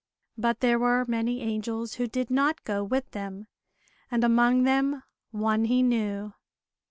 But, there were many angels who did not go with them, and among them one he knew.